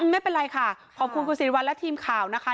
ไม่เป็นไรค่ะขอบคุณคุณสิริวัลและทีมข่าวนะคะ